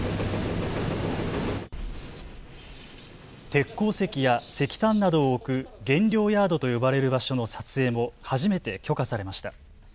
鉄鉱石や石炭などを置く原料ヤードと呼ばれる場所の撮影も初めて許可されました。